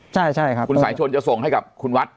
ใช่ใช่ครับคุณสายชนจะส่งให้กับคุณวัด